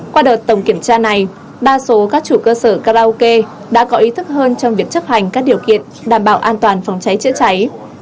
qua đợt tổng kiểm tra này đa số các chủ cơ sở karaoke đã có ý thức hơn trong việc chấp hành các điều kiện đảm bảo an toàn phòng cháy chữa cháy